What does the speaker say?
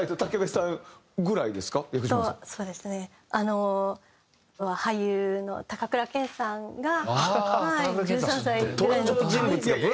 あの俳優の高倉健さんが１３歳ぐらいの時に。